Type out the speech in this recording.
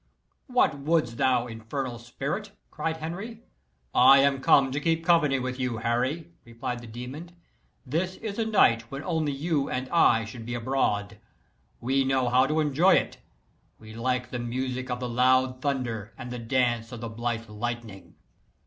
"What wouldst thou, infernal spirit?" cried Henry. "I am come to keep company with you, Harry," replied the demon; "this is a night when only you and I should be abroad. We know how to enjoy it. We like the music of the loud thunder, and the dance of the blithe lightning."